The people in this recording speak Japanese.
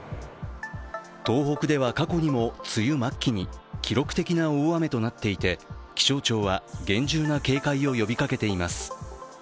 東北では、過去にも梅雨末期に記録的な大雨となっていて気象庁は厳重な警戒を呼びかけています。